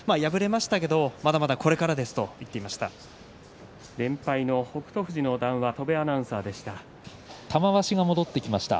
敗れはしたけどまだこれからです玉鷲が戻ってきました。